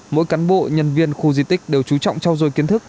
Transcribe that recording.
mỗi cán bộ nhân viên khu di tích đều chú trọng trao dồi kiến thức